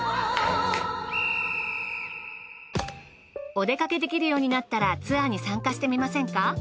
お出かけできるようになったらツアーに参加してみませんか？